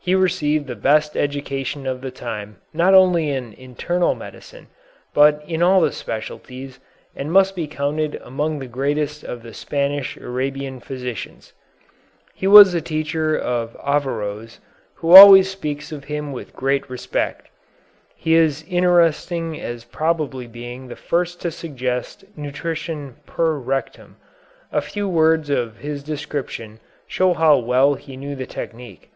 He received the best education of the time not only in internal medicine, but in all the specialties, and must be counted among the greatest of the Spanish Arabian physicians. He was the teacher of Averroës, who always speaks of him with great respect. He is interesting as probably being the first to suggest nutrition per rectum. A few words of his description show how well he knew the technique.